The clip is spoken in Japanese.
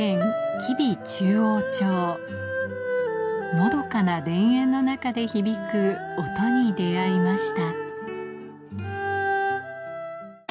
のどかな田園の中で響く音に出合いました・